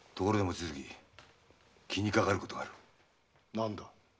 何だ？